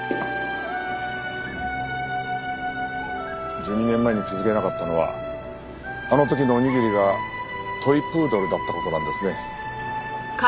１２年前に気づけなかったのはあの時のおにぎりがトイプードルだった事なんですね。